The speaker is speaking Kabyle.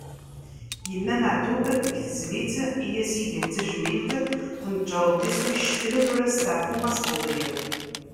Yenna Meɛtub deg tezlit i as-iga d tajmilt: Tneǧreḍ-d iswi i ccetla, tura steɛfu Mass Budyaf.